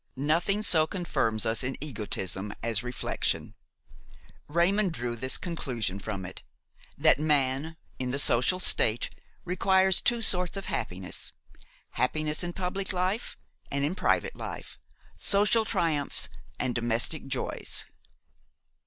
Nothing so confirms us in egotism as reflection. Raymon drew this conclusion from it: that man, in the social state, requires two sorts of happiness, happiness in public life and in private life, social triumphs and domestic joys.